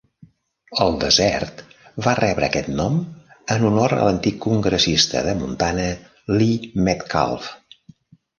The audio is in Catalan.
El desert va rebre aquest nom en honor a l'antic congressista de Montana, Lee Metcalf.